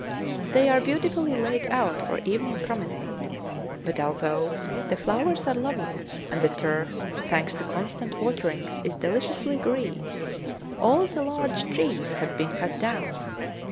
They are beautifully laid out for evening promenade; but although the flowers are lovely, and the turf, thanks to constant waterings, is deliciously green, all the large trees have been cut down.